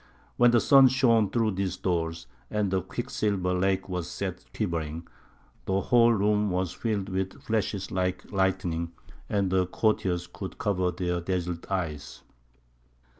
When the sun shone through these doors, and the quicksilver lake was set quivering, the whole room was filled with flashes like lightning, and the courtiers would cover their dazzled eyes.